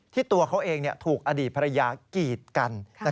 ตัวเขาเองถูกอดีตภรรยากีดกัน